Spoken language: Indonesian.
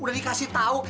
udah dikasih tahu